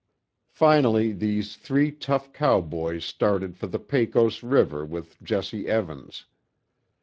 Finally these three tough cowboys started for the Pecos river with Jesse Evans.